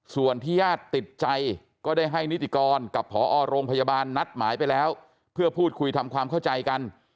ส่วนที่ญาติติดใจก็ได้ให้นิติกรกับผอโรงพยาบาลนัดหมายไปแล้วเพื่อพูดคุยทำความเข้าใจกัน